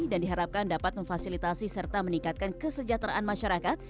dan diharapkan dapat memfasilitasi serta meningkatkan kesejahteraan masyarakat